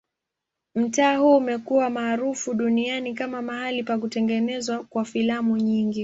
Mtaa huu umekuwa maarufu duniani kama mahali pa kutengenezwa kwa filamu nyingi.